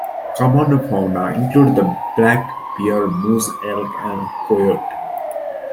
Common fauna include the black bear, moose, elk, and coyote.